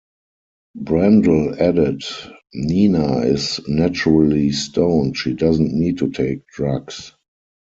Brendel added, Nena is naturally stoned, she doesn't need to take drugs.